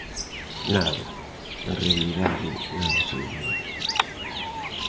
Nada, en realidade nada solvente.